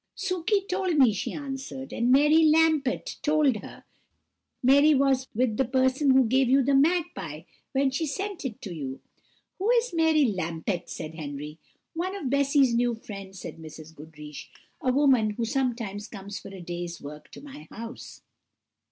"Sukey told me," she answered, "and Mary Lampet told her. Mary was with the person who gave you the magpie, when she sent it to you." "Who is Mary Lampet?" said Henry. "One of Bessy's new friends," said Mrs. Goodriche; "a woman who sometimes comes for a day's work to my house."